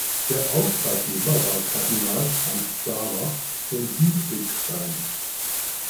Der Auftraggeber war Kardinal Franz Xaver von Dietrichstein.